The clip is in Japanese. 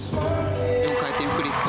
４回転フリップ。